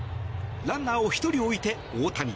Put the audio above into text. ランナーを１人置いて、大谷。